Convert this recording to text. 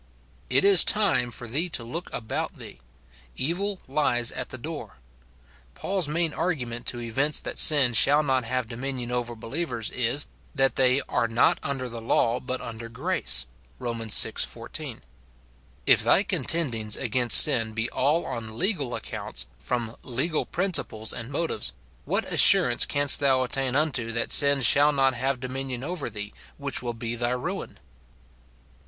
It is time for thee to look about thee ; evil lies at the door. Paul's main argument to evince that sin shall not have dominion over believers is, that they " are not under the law, but under grace," Rom. vi. 14. If thy con tendings against sin be all on legal accounts, from legal principles and motives, what assurance canst thou attain unto that sin shall not have dominion over thee, which will be thy ruin